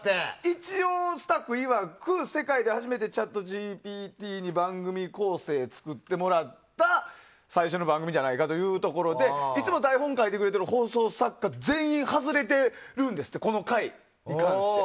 一応、スタッフいわく世界で初めてＣｈａｔＧＰＴに番組構成を作ってもらった最初の番組じゃないかというところでいつも台本書いてくれてる放送作家全員が外れてるんですってこの回に関しては。